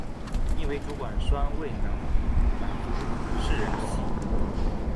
因为主管铨选未能满足士人之心。